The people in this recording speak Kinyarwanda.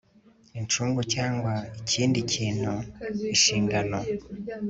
incungu cyangwa ikindi gituma inshingano